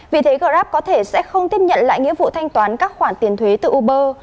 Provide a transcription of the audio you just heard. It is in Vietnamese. vì thế grab có thể sẽ không tiếp nhận lại nghĩa vụ thanh toán các khoản tiền thuế từ uber